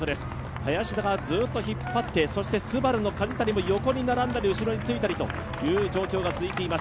林田がずっと引っ張って、ＳＵＢＡＲＵの梶谷も横に並んだり、後ろについたりという状況が続いています。